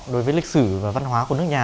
đối với lịch sử và văn hóa của nước nhà